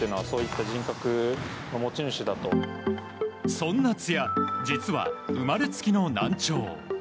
そんな津屋実は、生まれつきの難聴。